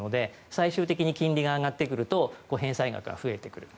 最終的に金利が上がってくると返済額が増えてくる。